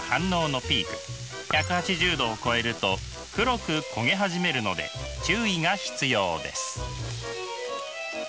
１８０℃を超えると黒く焦げ始めるので注意が必要です。